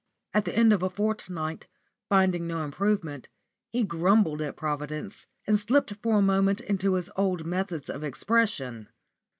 At the end of a fortnight, finding no improvement, he grumbled at Providence, and slipped for a moment into his old methods of expression.